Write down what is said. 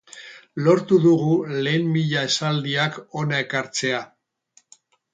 Lortu dugu lehen mila esaldiak hona ekartzea.